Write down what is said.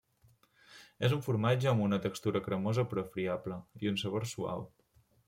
És un formatge amb una textura cremosa però friable i un sabor suau.